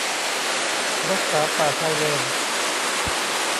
รักษาป่าชายเลน